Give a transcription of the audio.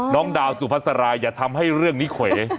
น้องดาวสุภาษาอย่าทำให้เรื่องนี้เขว